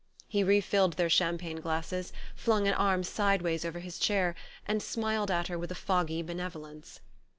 He re filled their champagne glasses, flung an arm sideways over his chair, and smiled at her with a foggy benevolence.